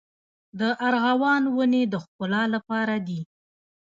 د ارغوان ونې د ښکلا لپاره دي؟